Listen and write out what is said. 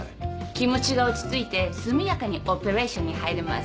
気持ちが落ち着いて速やかにオペレーションに入れます。